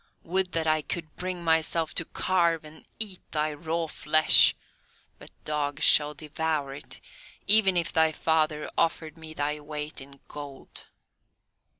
would that I could bring myself to carve and eat thy raw flesh, but dogs shall devour it, even if thy father offered me thy weight in gold."